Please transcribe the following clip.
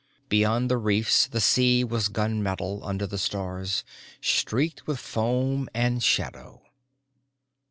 Beyond the reefs the sea was gunmetal under the stars, streaked with foam and shadow.